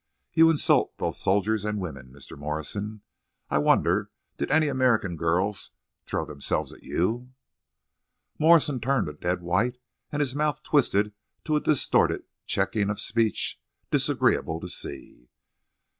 You insult both soldiers and women, Mr. Morrison. I wonder—did any American girls throw themselves at you?" Morrison turned a dead white, and his mouth twisted to a distorted checking of speech, disagreeable to see.